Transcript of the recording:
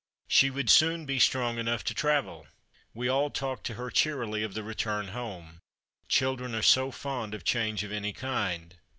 She would soon be strong enough to travel. We all talked to her cheerily of the return home. Children are so fond of change of any kind.